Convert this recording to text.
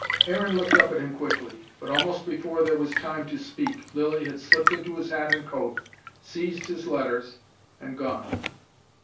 Aaron looked up at him quickly. But almost before there was time to speak, Lilly had slipped into his hat and coat, seized his letters, and gone.